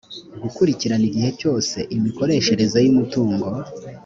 gukurikirana igihe cyose imikoreshereze y’umutungo